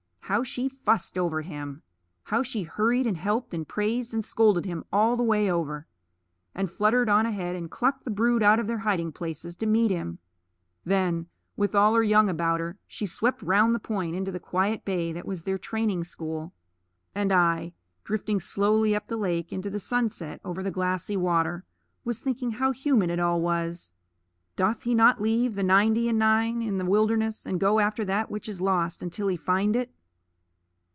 How she fussed over him! How she hurried and helped and praised and scolded him all the way over; and fluttered on ahead, and clucked the brood out of their hiding places to meet him! Then, with all her young about her, she swept round the point into the quiet bay that was their training school. And I, drifting slowly up the lake into the sunset over the glassy water, was thinking how human it all was. "Doth he not leave the ninety and nine in the wilderness, and go after that which is lost, until he find it?"